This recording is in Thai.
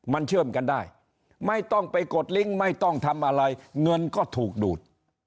มันเชื่อมกันได้ไม่ต้องไปกดลิงค์ไม่ต้องทำอะไรเงินก็ถูกดูด